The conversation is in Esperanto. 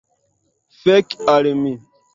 Fek' al mi